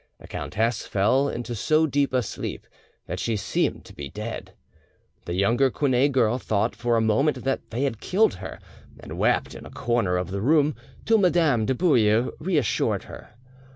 The countess fell into so deep a sleep that she seemed to be dead. The younger Quinet girl thought for a moment that they had killed her, and wept in a corner of the room, till Madame de Bouille reassured her.